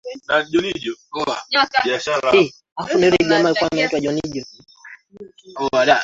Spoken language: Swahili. ya Uviko kumi na Tisa pamoja na kufuatwa kwa taratibu nyingine za kujikinga na